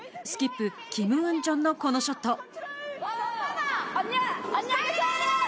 スキップ、キム・ウンジョンのこのショット。